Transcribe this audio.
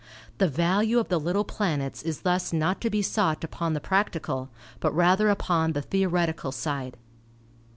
The value of the little planets is thus not to be sought upon the practical but rather upon the theoretical side.